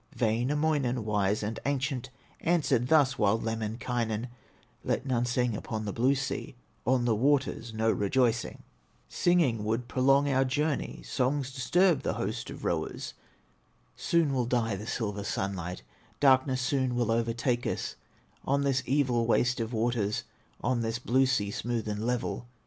Wainamoinen, wise and ancient, Answered thus wild Lemminkainen: "Let none sing upon the blue sea, On the waters, no rejoicing; Singing would prolong our journey, Songs disturb the host of rowers; Soon will die the silver sunlight, Darkness soon will overtake us, On this evil waste of waters, On this blue sea, smooth and level."